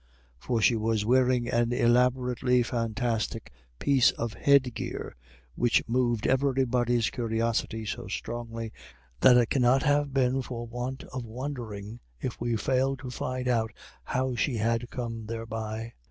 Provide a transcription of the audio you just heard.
For she was wearing an elaborately fantastic piece of headgear, which moved everybody's curiosity so strongly that it cannot have been for want of wondering if we failed to find out how she had come thereby.